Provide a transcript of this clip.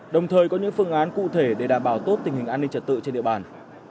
đồng thời có những phương án cụ thể để đảm bảo tốt tình hình an ninh trật tự trên địa bàn